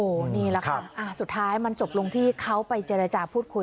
นี่แหละครับสุดท้ายมันจบลงที่เขาไปเจรจาพูดคุย